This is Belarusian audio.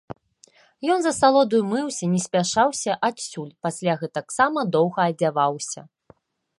Ён з асалодаю мыўся, не спяшаўся адсюль, пасля гэтаксама доўга адзяваўся.